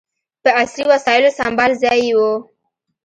په عصري وسایلو سمبال ځای یې و.